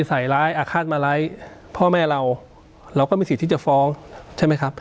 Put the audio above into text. ใส่ร้ายอาฆาตมาร้ายพ่อแม่เราเราก็มีสิทธิ์ที่จะฟ้องใช่ไหมครับ